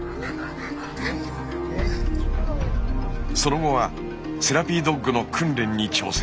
その後はセラピードッグの訓練に挑戦。